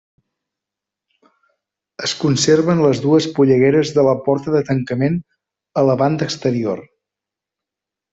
Es conserven les dues pollegueres de la porta de tancament a la banda exterior.